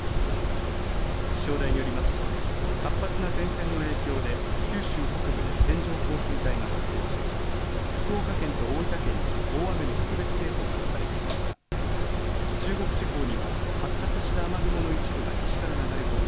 気象台によりますと活発な前線の影響で九州北部で線状降水帯が発生し福岡県と大分県に大雨の特別警報が出されていますが中国地方にも発達した雨雲の一部が西から流れ込み